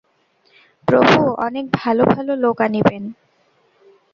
প্রভু অনেক ভাল ভাল লোক আনিবেন।